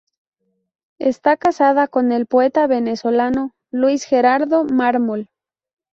Está casada con el poeta venezolano Luis Gerardo Mármol.